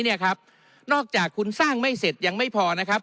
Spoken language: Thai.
นอกจากคุณสร้างไม่เสร็จยังไม่พอนะครับ